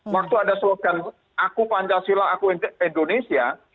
waktu ada slogan aku pancasila aku indonesia